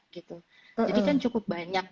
gitu jadi kan cukup banyak